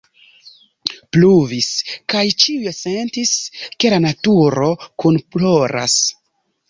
Pluvis, kaj ĉiuj sentis, ke la naturo kunploras.